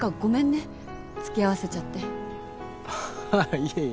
いえいえ。